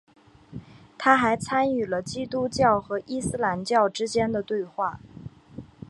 他还参与了基督教和伊斯兰教之间的对话。